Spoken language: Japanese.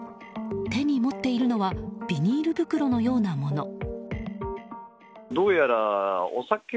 手に持っているのはビニール袋のようなもの。